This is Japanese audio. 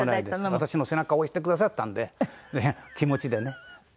私の背中押してくださったんで気持ちでね。